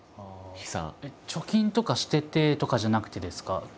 貯金とかしててとかじゃなくてですか？